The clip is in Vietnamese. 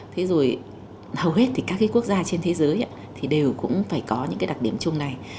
thế rồi hầu hết thì các cái quốc gia trên thế giới thì đều cũng phải có những cái đặc điểm chung này